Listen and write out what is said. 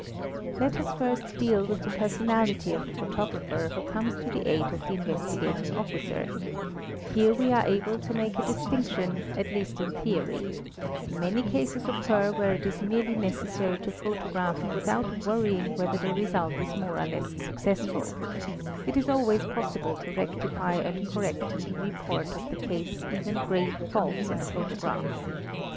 PHOTOGRAPHY 249 Let us first deal with the personality of the photographer who comes to the aid of the Investigating Officer; here we are able to make a distinction, at least in theory: many cases occur where it is merely necessary to photograph without worrying whether the result is more or less successful; it is always possible to rectify and correct in the _ report of the case even grave faults in a photograph.